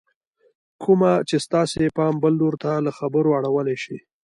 کومه چې ستاسې پام بل لور ته له خبرو اړولی شي